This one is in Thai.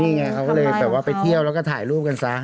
นี่ไงเขาก็เลยแบบว่าไปเที่ยวแล้วก็ถ่ายรูปกันซะ